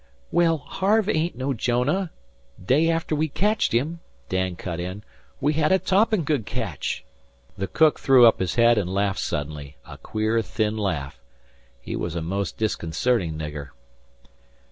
"Well, Harve ain't no Jonah. Day after we catched him," Dan cut in, "we had a toppin' good catch." The cook threw up his head and laughed suddenly a queer, thin laugh. He was a most disconcerting nigger.